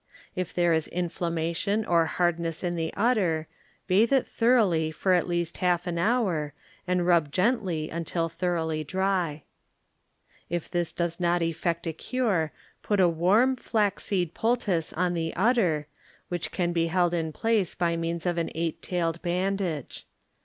If there is inflammation or hardness in the udder, bathe it thoroughly for at least half an hour, and rub gently until thoroughly If this does not effect a cure put a warm flaxseed poultice on the udder, which can be held in place by means of an eight tailed bandage.